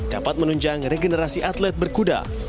dapat menunjang regenerasi atlet berkuda